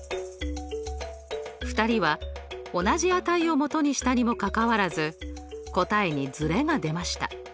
２人は同じ値を基にしたにもかかわらず答えにずれが出ました。